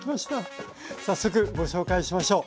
早速ご紹介しましょう。